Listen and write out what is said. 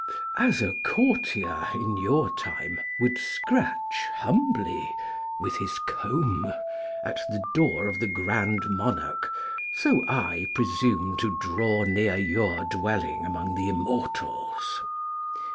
As a courtier in your time would scratch humbly (with his comb!) at the door of the Grand Monarch, so I presume to draw near your dwelling among the Immortals.